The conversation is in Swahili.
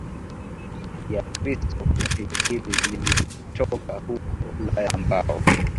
ya Kikristo Kundi hili lilitoka huko Ulaya ambao